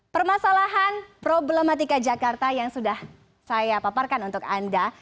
permasalahan problematika jakarta yang sudah saya paparkan untuk anda